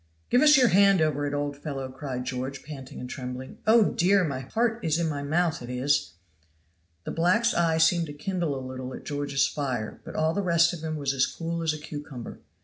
"Give us your hand over it, old fellow," cried George, panting and trembling. "Oh dear, my heart is in my mouth, it is!" The black's eye seemed to kindle a little at George's fire, but all the rest of him was as cool as a cucumber.